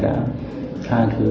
đã tha thứ